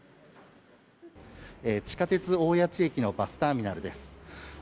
地下鉄大谷地駅のバスターミナルです。